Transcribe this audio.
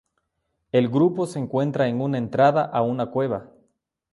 El grupo se encuentra en una entrada a una cueva.